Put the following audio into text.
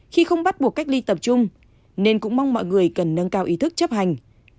khi không bắt buộc cách ly tập trung nên cũng mong mọi người cần nâng cao ý thức chấp hành